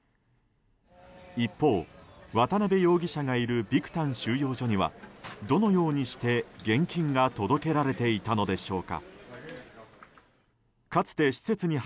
一方、渡邉容疑者がいるビクタン収容所にはどのようにして現金が届けられていたのでしょうか。